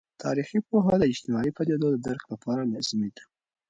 تاریخي پوهه د اجتماعي پدیدو د درک لپاره لازمي ده.